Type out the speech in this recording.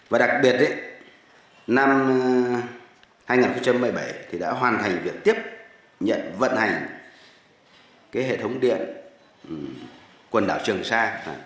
và đặc biệt năm hai nghìn một mươi bảy thì đã hoàn thành việc tiếp nhận vận hành hệ thống điện quần đảo trường sa